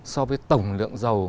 so với tổng lượng dầu